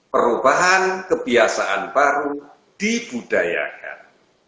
perubahan kebiasaan baru dibudayakan